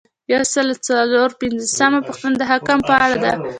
یو سل او څلور پنځوسمه پوښتنه د حکم په اړه ده.